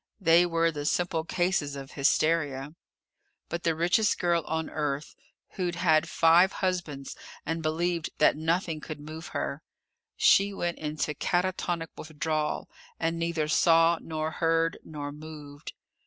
They were the simple cases of hysteria. But the richest girl on Earth, who'd had five husbands and believed that nothing could move her she went into catatonic withdrawal and neither saw nor heard nor moved.